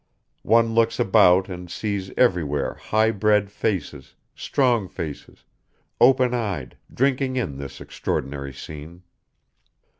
One looks about and sees everywhere high bred faces, strong faces, open eyed, drinking in this extraordinary scene.